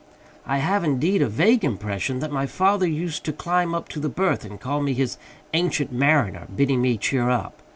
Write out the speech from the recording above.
I have, indeed, a vague impression that my father used to climb up to the berth and call me his "Ancient Mariner," bidding me cheer up.